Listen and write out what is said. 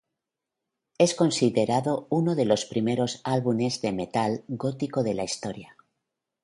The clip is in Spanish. Es considerado uno de los primeros álbumes de metal Gótico de la historia.